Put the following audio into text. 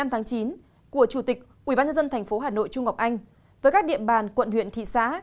một mươi năm tháng chín của chủ tịch ủy ban nhân dân thành phố hà nội trung ngọc anh với các địa bàn quận huyện thị xã